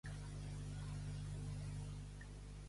No em fums, beco, que els vull ferrats.